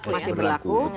masih berlaku ya